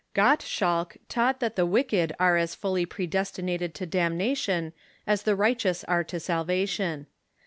Gottschalk taught that the wicked are as fully predestinated to damnation as the righteous are to salvation.